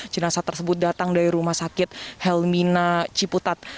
jenazah tersebut datang dari rumah sakit helmina ciputat